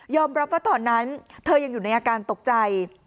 รับว่าตอนนั้นเธอยังอยู่ในอาการตกใจ